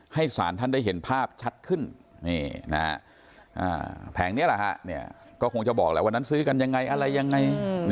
ให้ศาลท่านได้เห็นภาพชัดขึ้นแผงนี้ก็คงจะบอกวันนั้นซื้อกันยังไง